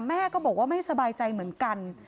แม่ก็บอกว่าไม่สบายใจเหมือนกัน